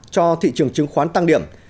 cho thị trường chứng khoán tăng điểm